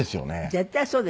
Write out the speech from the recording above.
絶対そうですよ。